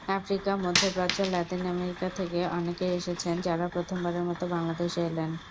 Africa, মধ্যপ্রাচ্য, Latin America থেকে অনেকেই এসেছেন, যাঁরা প্রথমবারের মতো বাংলাদেশে এলেন।